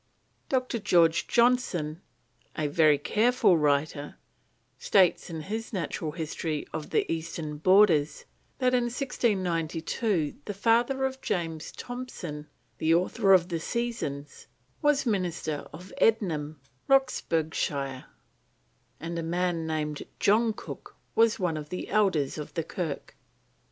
Dr. George Johnston, a very careful writer, states in his Natural History of the Eastern Borders, that in 1692 the father of James Thomson, the author of The Seasons, was minister of Ednam, Roxburghshire, and a man named John Cook was one of the Elders of the Kirk.